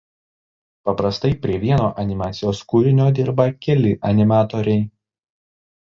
Paprastai prie vieno animacijos kūrinio dirba keli animatoriai.